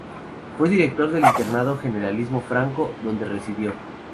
Fue director del Internado "Generalísimo Franco", donde residió.